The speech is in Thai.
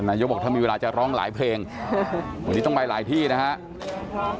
นายกบอกถ้ามีเวลาจะร้องหลายเพลงวันนี้ต้องไปหลายที่นะครับ